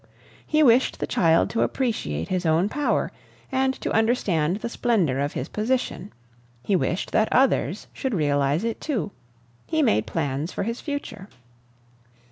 He wished the child to appreciate his own power and to understand the splendor of his position; he wished that others should realize it too. He made plans for his future.